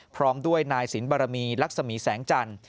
พร้อมด้วยนายสินบรมีลักษมีแสงจันทร์